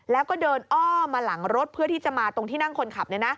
แล้วก็เดินอ้อมาหลังรถเพื่อที่จะมาตรงที่นั่งคนขับ